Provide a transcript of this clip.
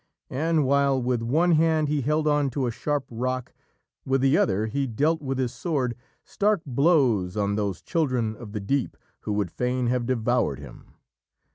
And while with one hand he held on to a sharp rock, with the other he dealt with his sword stark blows on those children of the deep who would fain have devoured him.